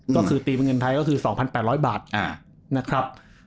ก็คือตีเป็นเงินไทยก็คือ๒๘๐๐บาทนะครับ